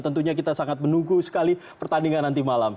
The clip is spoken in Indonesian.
tentunya kita sangat menunggu sekali pertandingan nanti malam